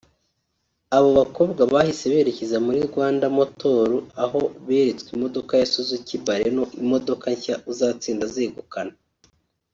Aba bakobwa bahise berekeza kuri Rwanda Motor aho beretswe imodoka ya Suzuki Baleno imodoka nshya uzatsinda azegukana